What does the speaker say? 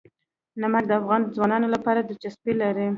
نمک د افغان ځوانانو لپاره دلچسپي لري.